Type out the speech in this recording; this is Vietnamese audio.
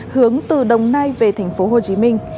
hướng từ đồng nai về thành phố hồ chí minh